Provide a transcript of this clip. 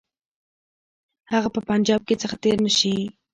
هغه به له پنجاب څخه تېر نه شي.